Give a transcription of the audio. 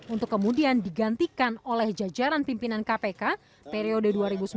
untuk kemudian digantikan oleh jajaran pimpinan kpk periode dua ribu sembilan belas dua ribu dua puluh